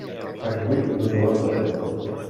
Sac buit no s'aguanta dret.